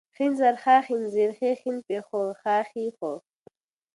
ښ زر ښا، ښېن زير ښې ، ښين پيښ ښو ، ښا ښې ښو